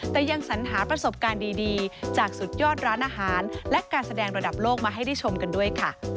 แต่ยังสัญหาประสบการณ์ดีจากสุดยอดร้านอาหารและการแสดงระดับโลกมาให้ได้ชมกันด้วยค่ะ